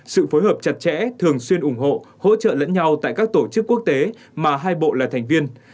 sự phối hợp chặt chẽ thường xuyên ủng hộ hỗ trợ lẫn nhau tại các tổ chức quốc tế mà hai bộ là thành viên